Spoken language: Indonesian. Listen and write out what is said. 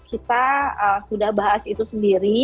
kita sudah bahas itu sendiri